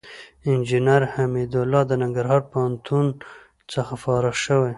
انجينر حميدالله د ننګرهار پوهنتون څخه فارغ شوى.